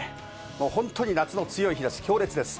もう本当に夏の強い日差し強烈です。